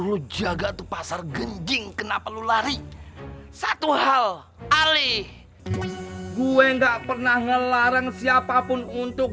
lu jaga tuh pasar genjing kenapa lu lari satu hal ali gue enggak pernah ngelarang siapapun untuk